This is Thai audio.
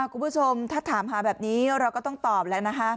คุณผู้ชมถ้าถามหาแบบนี้เราก็ต้องตอบแล้วนะคะ